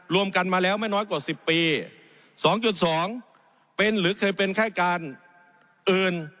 รวมกันมาแล้วไม่น้อยกว่า๑๐ปี๒๒เป็นหรือเคยเป็นค่ายการอื่น